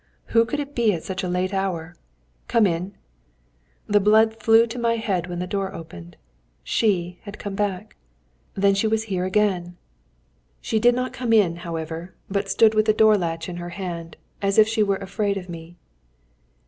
Who could it be at such a late hour? "Come in!" The blood flew to my head when the door opened. She had come back! Then she was here again! She did not come in, however, but stood with the door latch in her hand, as if she were afraid of me.